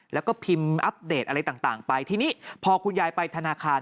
แล้วก็พิมพ์อัปเดตอะไรต่างไปทีนี้พอคุณยายไปธนาคาร